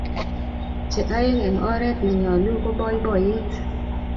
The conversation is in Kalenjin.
che aeng' eng oret ne nyalun ko baibaiyet